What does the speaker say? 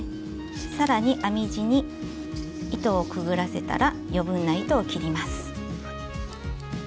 さらに編み地に糸をくぐらせたら余分な糸を切ります。